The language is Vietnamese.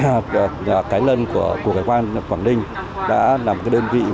đã là một cái đơn vị mà các hệ thống của hải quan quảng ninh đã được tiết kiệm được rất là nhiều thời gian